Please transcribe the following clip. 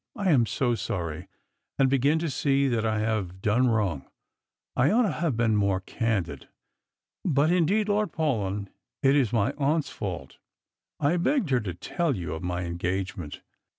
I am so sorry, and begin to see that I have done wrong ; I ought to have been more candid. But indeed, Lord Paulyn, it is my aunt's fault. I begged her to tell you of my engagement.